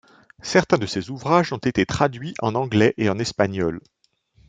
Certains de ses ouvrages ont été traduits en anglais et en espagnol.